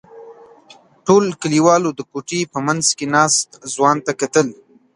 ټولو کلیوالو د کوټې په منځ کې ناست ځوان ته کتل.